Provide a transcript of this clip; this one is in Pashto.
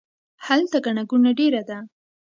هلته ګڼه ګوڼه ډیره ده